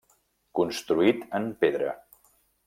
Construït en pedra.